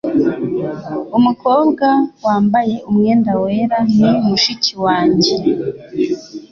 Umukobwa wambaye umwenda wera ni mushiki wanjye.